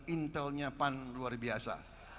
intelnya pan luar biasa